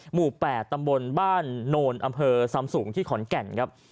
หมู่๘ตำบลบ้านโนนอำเภอซำสูงที่ขอนแก่นครับ